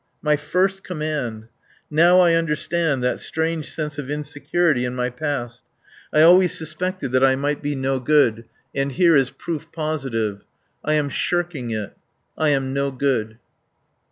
My first command. Now I understand that strange sense of insecurity in my past. I always suspected that I might be no good. And here is proof positive. I am shirking it. I am no good."